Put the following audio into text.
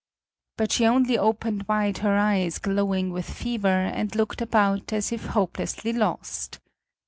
But she only opened wide her eyes glowing with fever and looked about, as if hopelessly lost.